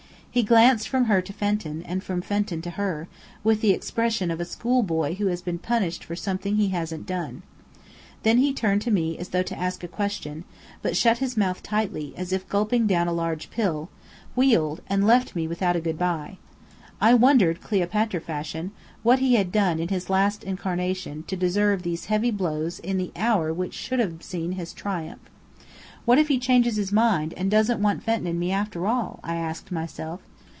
He glanced from her to Fenton, and from Fenton to her, with the expression of a school boy who has been punished for something he hasn't done. Then he turned to me as though to ask a question; but shut his mouth tightly, as if gulping down a large pill, wheeled, and left me without a good bye. I wondered, Cleopatra fashion, what he had done in his last incarnation to deserve these heavy blows in the hour which should have seen his triumph. "What if he changes his mind and doesn't want Fenton and me after all?" I asked myself.